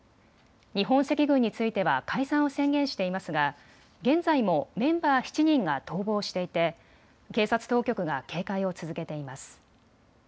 日本赤軍については解散を宣言していますが現在もメンバー７人が逃亡していて警察当局が警戒を続けています。